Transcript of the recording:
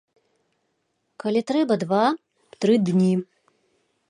Калі трэба два, тры дні.